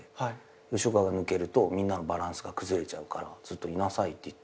吉岡が抜けるとみんなのバランスが崩れちゃうからずっといなさいっていって。